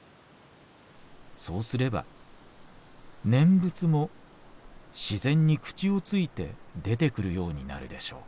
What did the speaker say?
そうすれば念仏も自然に口をついて出てくるようになるでしょう。